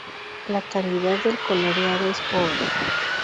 La calidad del coloreado es pobre.